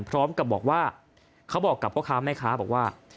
พร้อมกับบอกว่าเขาบอกกับพ่อค้าแม่ค้าบอกว่า